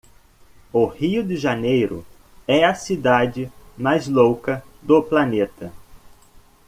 o rio de janeiro é a cidade mais louca do planeta